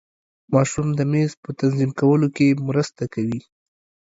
ماشوم د میز په تنظیم کولو کې مرسته کوي.